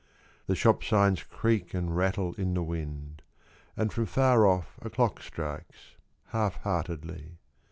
The shop signs creak and rattle in the wind And from far off a clock strikes (half heartedly.)